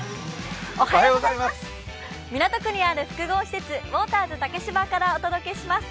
港区にある複合施設、ウォーターズ竹芝からお届けします。